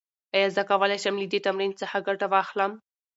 ایا زه کولی شم له دې تمرین څخه ګټه واخلم؟